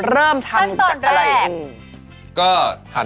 เริ่มทำจากอะไร